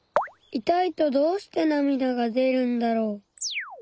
痛いとどうしてなみだが出るんだろう。